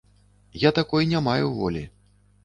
Я такой не маю волі.